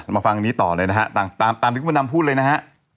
มาฟังอันนี้ต่อเลยนะครับตามที่คุณพุนดำพูดเลยนะครับ